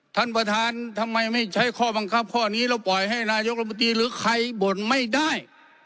ท่านประธานทำไมไม่ใช้ข้อบังคับข้อนี้แล้วปล่อยให้นายกรมตรีหรือใครบ่นไม่ได้